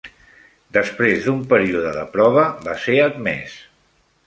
Després d'un període de prova, va ser admès.